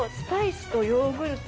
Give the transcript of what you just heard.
ヨーグルト？